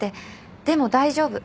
でも大丈夫。